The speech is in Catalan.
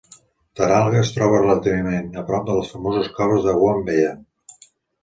Taralga es troba relativament a prop de les famoses coves de Wombeyan.